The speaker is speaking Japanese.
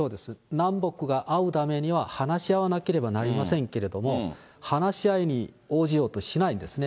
南北が会うためには話し合わなければなりませんけれども、話し合いに応じようとしないんですね。